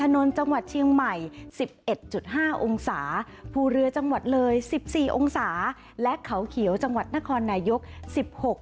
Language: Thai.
๑๑๕องศาภูเรือจังหวัดเลย๑๔องศาและเขาเขียวจังหวัดนครนายุกษ์